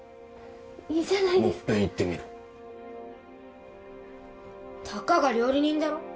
いいじゃないですかもっぺん言ってみろたかが料理人だろ